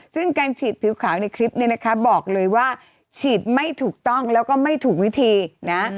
ซึ่งการฉีดผิวขาวในคลิปนี้นะคะบอกเลยว่าฉีดไม่ถูกต้องแล้วก็ไม่ถูกวิธีนะ